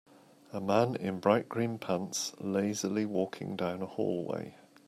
A man in bright green pants lazily walking down a hallway.